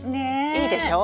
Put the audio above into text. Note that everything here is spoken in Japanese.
いいでしょう？